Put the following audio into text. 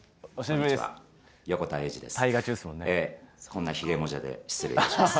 こんな、ひげもじゃで失礼いたします。